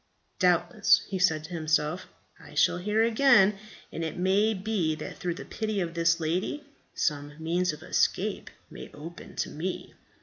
"Doubtless," he said to himself, "I shall hear again; and it may be that through the pity of this lady some means of escape may open to me."